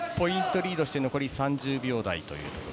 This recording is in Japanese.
リードして残り３０秒台。